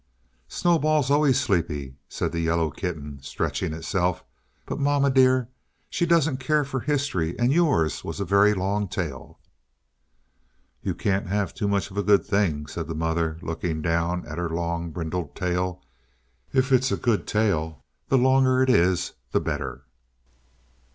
"Snowball's always sleepy," said the yellow kitten, stretching itself. "But, mamma dear, she doesn't care for history, and yours was a very long tale." "You can't have too much of a good thing," said the mother, looking down at her long brindled tail. "If it's a good tail, the longer it is the better."